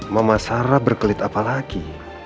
mama sarah berkelit apa lagi